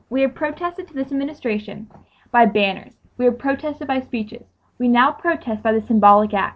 "We have protested to this Administration by banners; we have protested by speeches; we now protest by this symbolic act.